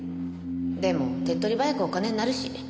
でも手っ取り早くお金になるし。